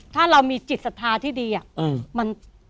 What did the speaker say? ถ้าเรามีจิตศรัทธาที่ดีอะ